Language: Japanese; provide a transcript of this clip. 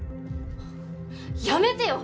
やめてよ！